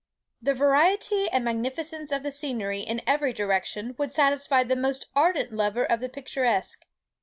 The variety and magnificence of the scenery in every direction would satisfy the most ardent lover of the picturesque.